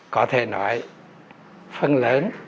có thể nói phần lớn